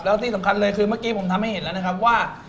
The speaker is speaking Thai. แล้วที่สำคัญเลยคือเมื่อกี้ผมทำให้เห็นแล้วนะครับว่า